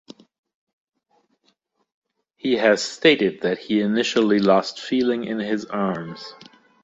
He has stated that he initially lost feeling in his arms.